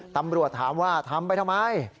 ตำรวจถามว่าทำไปทำไม